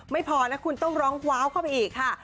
ไม่พอนะคุณต้องร้องว้าวเข้าไปอีกค่ะ